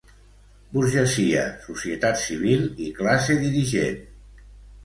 Burgesia, societat civil i classe dirigent.